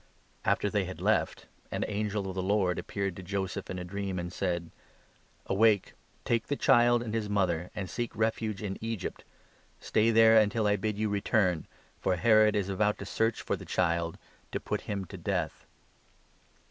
The Flight After they had left, an angel of the Lord 13 into Egypt, appeared to Joseph in a dream, and said : "Awake, take the child and his mother, and seek refuge in Egypt ; and stay there until I bid you return, for Herod is about to search for the child, to put him to death."